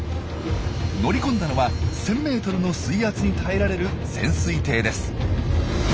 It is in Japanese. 乗り込んだのは１，０００ｍの水圧に耐えられる潜水艇です。